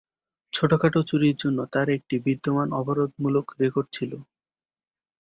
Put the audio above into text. ছোটখাটো চুরির জন্য তার একটি বিদ্যমান অপরাধমূলক রেকর্ড ছিল।